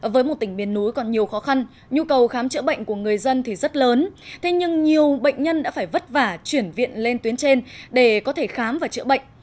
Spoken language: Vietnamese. với một tỉnh miền núi còn nhiều khó khăn nhu cầu khám chữa bệnh của người dân thì rất lớn thế nhưng nhiều bệnh nhân đã phải vất vả chuyển viện lên tuyến trên để có thể khám và chữa bệnh